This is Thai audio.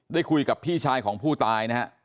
ได้คุยกับพี่ชายของผู้ตายนะฮะ